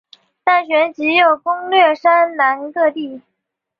但旋即又攻掠山南各地。